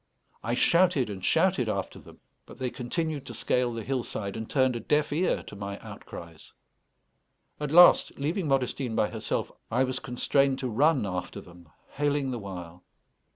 I shouted and shouted after them, but they continued to scale the hillside, and turned a deaf ear to my outcries. At last, leaving Modestine by herself, I was constrained to run after them, hailing the while.